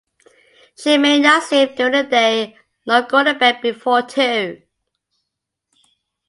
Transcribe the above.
She may not sleep during the day nor go to bed before two.